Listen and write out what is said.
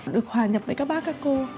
được hòa nhập với các bác các cô